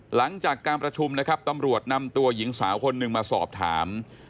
หลังจากการประชุมนะครับตำรวจนำตัวหญิงสาวคนหนึ่งมาสอบถาม